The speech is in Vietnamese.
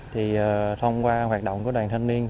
thì thông qua hoạt động của đoàn thanh niên